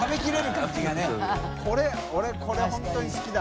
海俺これ本当に好きだ。